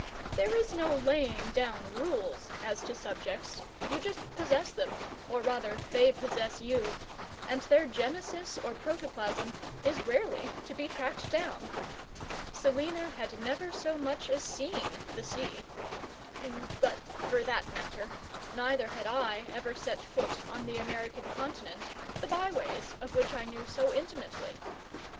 There is no laying down rules as to subjects; you just possess them or rather, they possess you and their genesis or protoplasm is rarely to be tracked down. Selina had never so much as seen the sea; but for that matter neither had I ever set foot on the American continent, the by ways of which I knew so intimately.